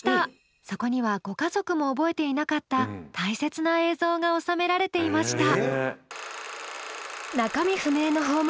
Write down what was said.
そこにはご家族も覚えていなかった大切な映像が収められていました。